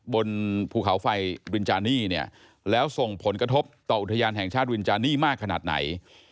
บนภูเขาไฟรินจานี่เนี่ยแล้วส่งผลกระทบต่ออุทยานแห่งชาติรินจานี่มากขนาดไหน